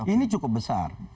ini cukup besar